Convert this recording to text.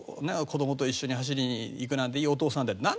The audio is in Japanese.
「子どもと一緒に走りにいくなんていいお父さんだよ」。